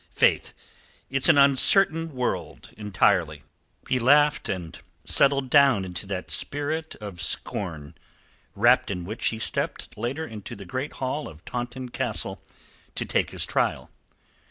Faith, it's an uncertain world entirely!" He laughed, and settled down into that spirit of scorn, wrapped in which he stepped later into the great hall of Taunton Castle to take his trial.